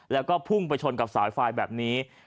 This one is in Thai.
แล้วก็พุ่งไปชนกับสายไฟแบบนี้